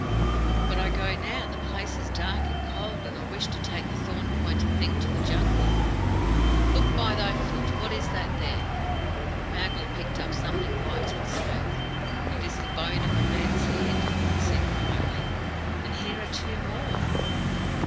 "But I go now. This place is dark and cold, and I wish to take the thorn pointed thing to the Jungle." "Look by thy foot! What is that there?" Mowgli picked up something white and smooth. "It is the bone of a man's head," he said quietly. "And here are two more."